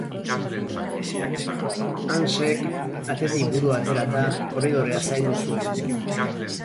Hansek, atetik burua aterata, korridorea zaindu zuen.